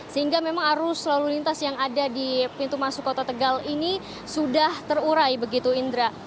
sehingga memang arus lalu lintas yang ada di pintu masuk kota tegal ini sudah terurai begitu indra